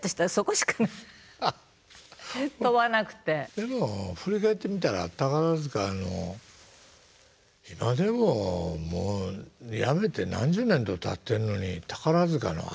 でも振り返ってみたら宝塚の今でももう辞めて何十年とたってるのに宝塚の安奈淳。